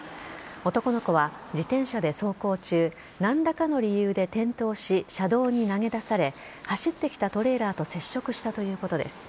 男の子は自転車で走行中何らかの理由で転倒し車道に投げ出され走ってきたトレーラーと接触したということです。